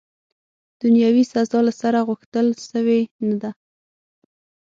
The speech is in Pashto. دنیاوي سزا، له سره، غوښتل سوې نه ده.